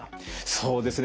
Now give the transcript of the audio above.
そうですね。